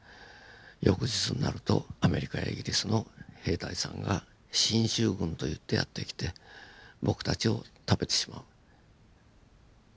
翌日になるとアメリカやイギリスの兵隊さんが進駐軍といってやって来て僕たちを食べてしまう。